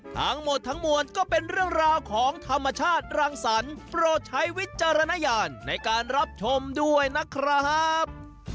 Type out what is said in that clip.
ทั้งหมดทั้งมวลก็เป็นเรื่องราวของธรรมชาติรังสรรค์โปรดใช้วิจารณญาณในการรับชมด้วยนะครับ